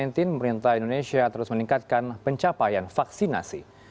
pemerintah indonesia terus meningkatkan pencapaian vaksinasi